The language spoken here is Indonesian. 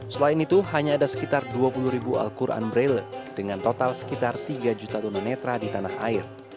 selain itu hanya ada sekitar dua puluh ribu al quran braille dengan total sekitar tiga juta tunanetra di tanah air